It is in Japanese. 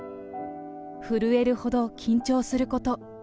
震えるほど緊張すること。